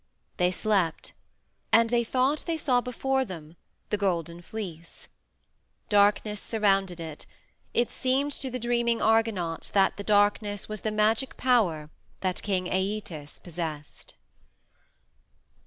They slept, and they thought they saw before them THE GOLDEN FLEECE; darkness surrounded it; it seemed to the dreaming Argonauts that the darkness was the magic power that King Æetes possessed.